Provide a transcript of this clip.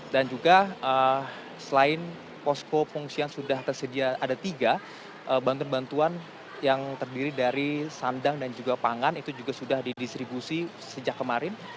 dan juga selain posko pengungsian sudah tersedia ada tiga bantuan bantuan yang terdiri dari sandang dan juga pangan itu juga sudah didistribusi sejak kemarin